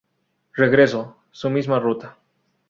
Regreso: Su misma ruta.